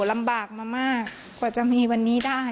ผู้ชายเข้าไปที่ร้านขายเสื้อผ้าที่มีผู้ต้องสงสัย